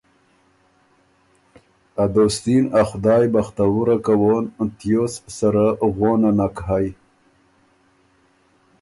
ا دوستي ن ا خدایٛ بختوُره کوون تیوس سره غونه نک هئ